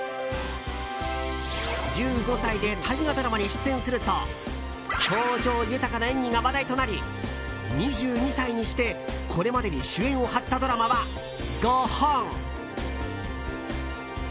１５歳で大河ドラマに出演すると表情豊かな演技が話題となり２２歳にして、これまでに主演を張ったドラマは５本！